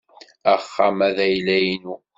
Axxam-a d ayla-inu.